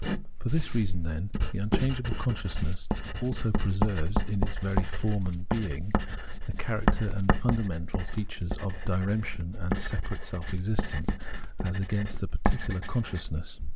For this reason, then, the unchangeable consciousness also preserves, in its very form and bearing, the character and fundamental features of diremption and separate self existence, as against the particular consciousness.